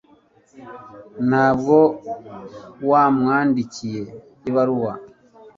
ntabwo wamwandikiye ibaruwa